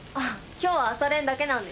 今日は朝練だけなんです。